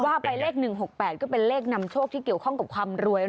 ว่าไปเลข๑๖๘ก็เป็นเลขนำโชคที่เกี่ยวข้องกับความรวย